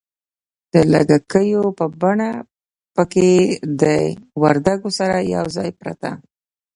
د لږکیو په بڼه پکښې د وردگو سره یوځای پرته